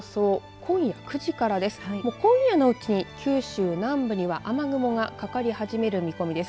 今夜のうちに九州南部には雨雲がかかり始める見込みです。